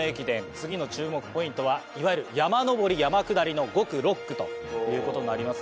次の注目ポイントはいわゆる山上り山下りの５区６区ということになります。